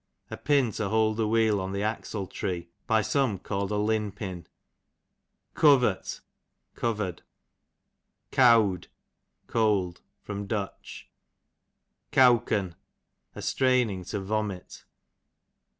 a pin to hold the wheel on the axle tree, by some called a lin pin. Covert, covered. Cowd, cold. Du. Cowken, a straining to vomit.